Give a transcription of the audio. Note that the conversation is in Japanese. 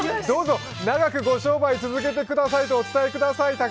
どうぞ、長くご商売続けてくださいとお伝えください。